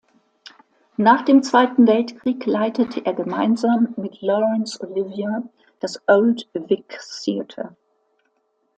Nach dem Zweiten Weltkrieg leitete er gemeinsam mit Laurence Olivier das Old Vic Theatre.